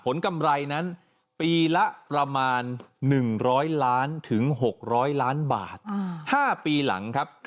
กำไรนั้นปีละประมาณ๑๐๐ล้านถึง๖๐๐ล้านบาท๕ปีหลังครับ